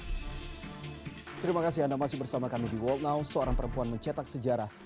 hai terima kasih anda masih bersama kami di world now seorang perempuan mencetak sejarah